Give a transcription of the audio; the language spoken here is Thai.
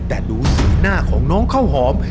แต่ดูสีหน้าของน้องข้าวหอม